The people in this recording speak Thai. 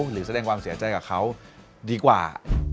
หรือแสดงความเสียใจกับเขาดีกว่า